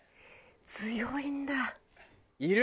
強いんだ。いる？